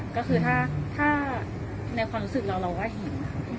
ก็คือถ้าในความรู้สึกเราเราก็เห็น